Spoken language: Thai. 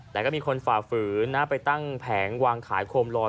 แต่ก็มีคนฝ่าฝืนนะไปตั้งแผงวางขายโคมลอย